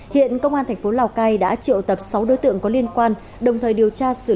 hiện công an thành phố lào cai đã triệu tập sáu đối tượng có liên quan đồng thời điều tra xử lý và mở rộng vụ án